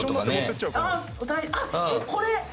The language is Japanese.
あっこれ！